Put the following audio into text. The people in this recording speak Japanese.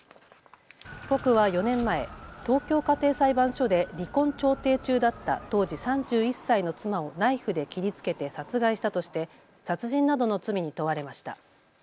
被告は４年前、東京家庭裁判所で離婚調停中だった当時３１歳の妻をナイフで切りつけて殺害したとして殺人などの罪に問われました。